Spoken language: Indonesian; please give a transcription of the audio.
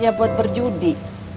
ya buat berjudi